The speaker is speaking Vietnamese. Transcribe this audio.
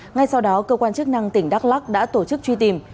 ngay sau đó cơ quan chức năng tỉnh đắk lắc đã tổ chức truy tìm